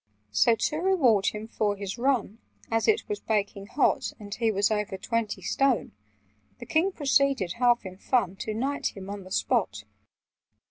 "So, to reward him for his run (As it was baking hot, And he was over twenty stone), The King proceeded, half in fun, To knight him on the spot."